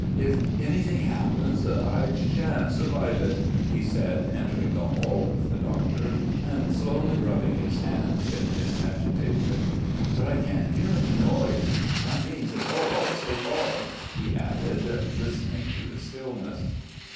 "If anything happens ... I shan't survive it," he said entering the hall with the doctor and slowly rubbing his hands in his agitation. "But I can't hear any noise. That means it's all right so far," he added, listening to the stillness.